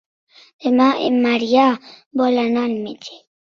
Demà en Maria vol anar al metge.